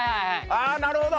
ああなるほど！